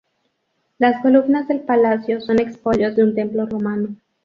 Las columnas del palacio son expolios de un templo romano.